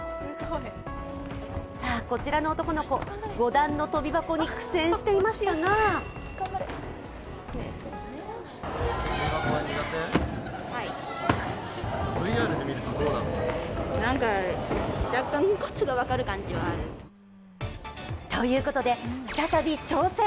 こちらの男の子、５段のとび箱に苦戦していましたがということで、再び挑戦。